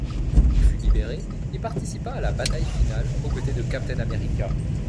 Il fut libéré et participa à la bataille finale, aux côtés de Captain America.